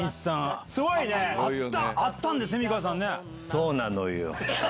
そなのよ。